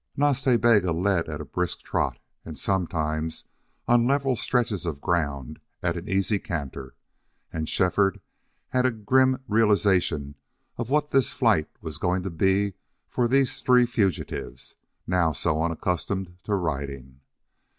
Nas Ta Bega led at a brisk trot, and sometimes, on level stretches of ground, at an easy canter; and Shefford had a grim realization of what this flight was going to be for these three fugitives, now so unaccustomed to riding.